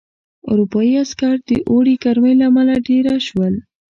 اروپايي عسکر د اوړي ګرمۍ له امله دېره شول.